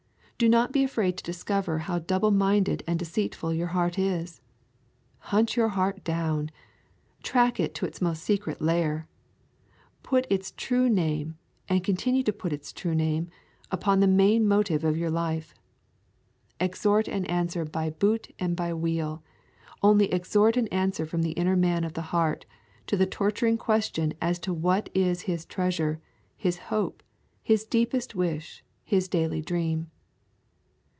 Do not be afraid to discover how double minded and deceitful your heart is. Hunt your heart down. Track it to its most secret lair. Put its true name, and continue to put its true name, upon the main motive of your life. Extort an answer by boot and by wheel, only extort an answer from the inner man of the heart, to the torturing question as to what is his treasure, his hope, his deepest wish, his daily dream.